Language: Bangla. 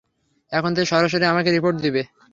এখন থেকে সরাসরি আমাকে রিপোর্ট দিবে।